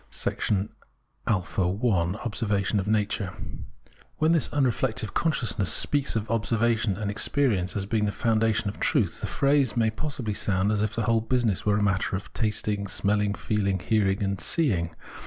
a(l) Observation op Nature When the unreflective consciousness speaks of obser vation and experience as being the fountain of truth, the phrase may possibly sound as if the whole business were a matter of tasting, smelhng, feeling, hearing, and seeing.